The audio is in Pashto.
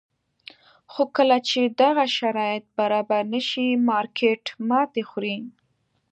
خو کله چې دغه شرایط برابر نه شي مارکېټ ماتې خوري.